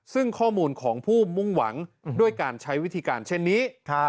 ซึ่งข้อมูลของผู้มุ่งหวังด้วยการใช้วิธีการเช่นนี้